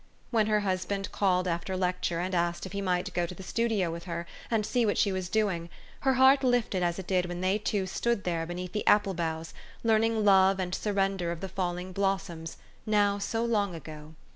When her husband called after lecture, and asked if he might go to the studio with her, and see what she was doing, her heart lifted as it did when they two stood there be neath the apple boughs, learning love and surrender of the falling blossoms, now so long ago.